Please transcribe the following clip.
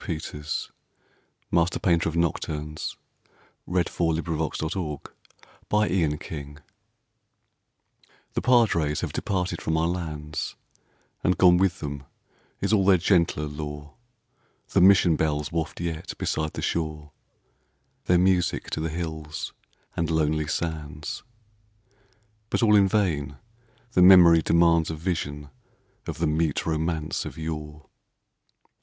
88 PERSONAL SONNETS TO CHARLES ROLLO PETERS MASTER PAINTER OF NOCTURNES The padres have departed from our lands, And gone with them is all their gentler lore ; The mission bells waft yet, beside the shore, Their music to the hills and lonely sands; But all in vain the memory demands A vision of the mute romance of yore.